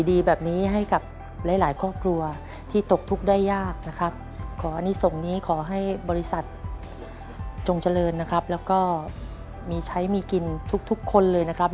เอาใจช่วยครอบครัวของคุณตามบินกับคุณยายน้อยกันนะครับ